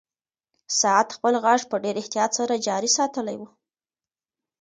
ساعت خپل غږ په ډېر احتیاط سره جاري ساتلی و.